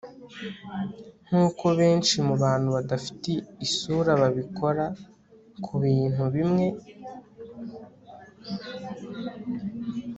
nkuko benshi mubantu badafite isura babikora kubintu bimwe